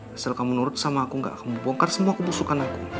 asal kamu nurut sama aku gak akan membongkar semua kebusukan aku